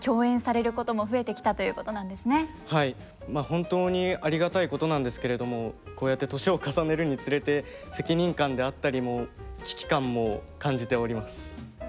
本当にありがたいことなんですけれどもこうやって年を重ねるにつれて責任感であったりも危機感も感じております。